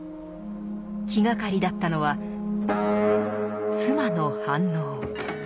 気がかりだったのは妻の反応。